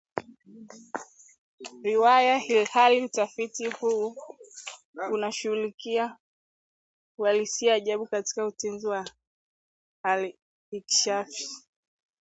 riwaya ilhali utafiti huu unashughulikia uhalisiajabu katika Utenzi wa Al-Inkishafi